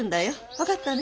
分かったね。